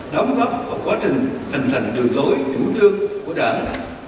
đóng góp vào quá trình thành thành đường đối chủ đương của đảng